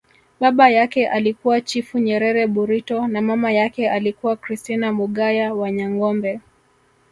Baba yake alikuwa Chifu Nyerere Burito na mama yake alikuwa Christina Mugaya Wanyangombe